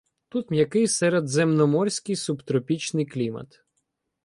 Тут м'який середземноморський субтропічний клімат.